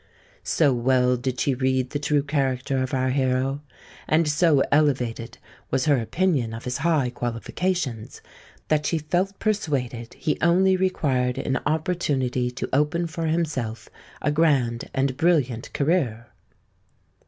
So well did she read the true character of our hero, and so elevated was her opinion of his high qualifications, that she felt persuaded he only required an opportunity to open for himself a grand and brilliant career.